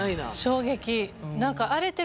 衝撃。